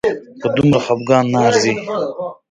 په دومره خپګان نه ارزي